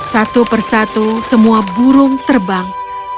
satu persatu semua burung terbang